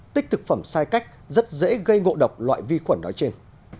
tích thực phẩm sai cách rất dễ gây ngộ độc loại vi khuẩn nói trên